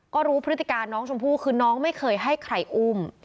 ก็รู้พฤติการน้องชมพู่คือน้องไม่เคยให้ใครอุ้ม